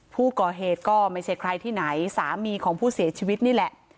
ผู้ก่อเหตุก็ไม่ใช่ใครที่ไหนสามีของผู้เสียชีวิตนี่แหละ